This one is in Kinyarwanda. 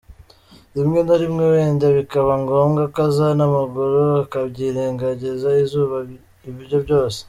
Rimwe na rimwe wenda bikaba ngombwa ko aza n'amaguru, akabyirengagiza, izuba, ibyo byose,.